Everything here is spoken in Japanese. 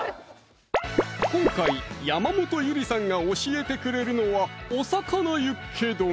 今回山本ゆりさんが教えてくれるのは「おさかなユッケ丼」